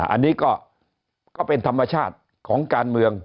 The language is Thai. อันนี้ก็เป็นธรรมชาติของการเมือง